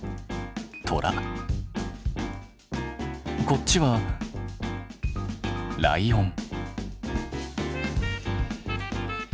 こっちはライオン。